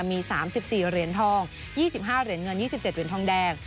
มี๓๔เหรียญทอง๒๕เหรียญเงิน๒๗เหรียญทองแดง